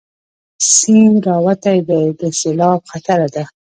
سيند راوتی دی، د سېلاب خطره ده